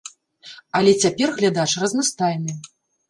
Але цяпер глядач разнастайны.